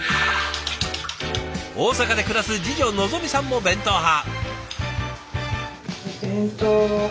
大阪で暮らす次女のぞみさんも弁当派。